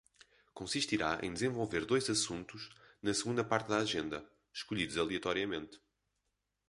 Consistirá em desenvolver dois assuntos na segunda parte da agenda, escolhidos aleatoriamente.